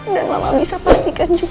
dan mama bisa pastikan juga sendiri kamu